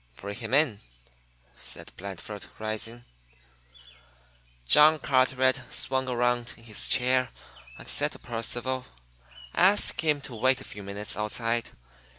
"Bring him in," said Blandford, rising. John Carteret swung around in his chair and said to Percival: "Ask him to wait a few minutes outside.